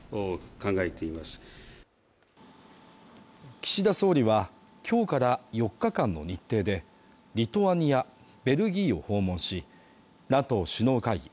岸田総理は今日から４日間の日程でリトアニア、ベルギーを訪問し、ＮＡＴＯ首脳会議